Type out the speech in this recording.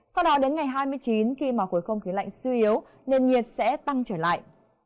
sau đó đến ngày hai mươi chín khi mà khối không khí lạnh suy yếu nền nhiệt sẽ tăng trở lại